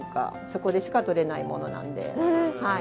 そこでしか採れないものなんで。